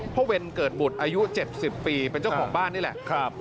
เวรเกิดบุตรอายุ๗๐ปีเป็นเจ้าของบ้านนี่แหละ